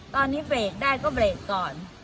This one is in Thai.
ตอนนี้เบรกได้ก็เบรกก่อน